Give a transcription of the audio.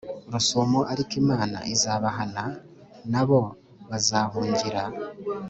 rusumo ariko Imana izabahana na bo bazahungira